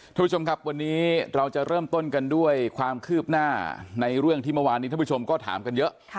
ทุกผู้ชมครับวันนี้เราจะเริ่มต้นกันด้วยความคืบหน้าในเรื่องที่เมื่อวานนี้ท่านผู้ชมก็ถามกันเยอะ